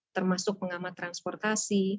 termasuk pengamat transportasi